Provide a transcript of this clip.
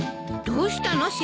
どうしたの？